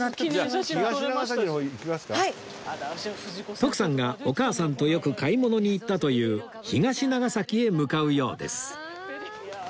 徳さんがお母さんとよく買い物に行ったという東長崎へ向かうようです